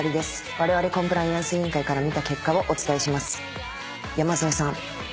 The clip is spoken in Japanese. われわれコンプライアンス委員会から見た結果をお伝えします。